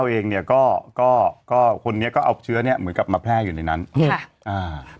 เองเนี้ยก็ก็ก็คนนี้ก็เอาเชื้อเนี้ยเหมือนกับมาแพร่อยู่ในนั้นค่ะอ่า